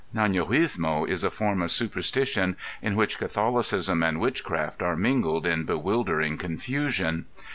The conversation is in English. ├æa├▒iguismo is a form of superstition in which Catholicism and witchcraft are mingled in bewildering confusion.